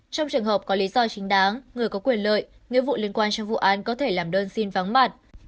trong trường hợp có lý do chính đáng người có quyền lợi nghĩa vụ liên quan trong vụ án có thể làm đơn xin vắng mặt